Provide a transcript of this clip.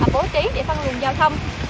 bố trí để phân luận giao thông